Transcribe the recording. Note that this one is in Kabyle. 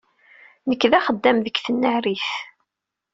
Nekk d axeddam deg tnarit.